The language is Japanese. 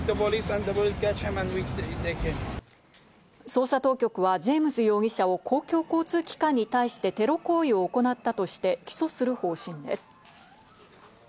捜査当局はジェームズ容疑者を公共交通機関に対してテロ行為を行ったとして起訴する方針です。